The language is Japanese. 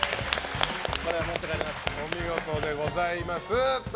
お見事でございます。